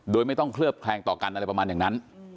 โดยไม่ต้องเคลือบแคลงต่อกันอะไรประมาณอย่างนั้น